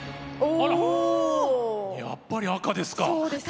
やっぱり紅ですか。